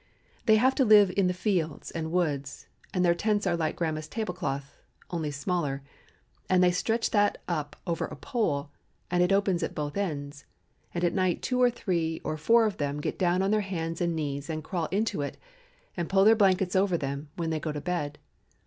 They have to live in the fields and woods, and their tents are like grandma's tablecloth, only smaller, and they stretch that up over a pole and it is open at both ends, and at night two or three or four of them get down on their hands and knees and crawl into it and pull their blankets over them when they go to bed.